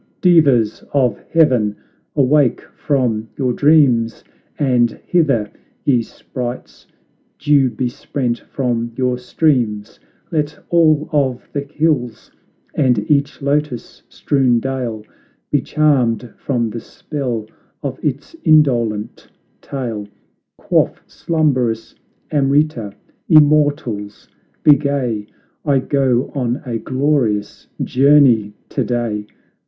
devas of heaven, awake from your dreams, And hither ye sprites, dew besprent from your streams, Let all of the hills, and each lotus strewn dale, Be charmed from the spell of its indolent tale; Quaff slumberous amrita, immortals be gay, I gp on a glorious journey to day!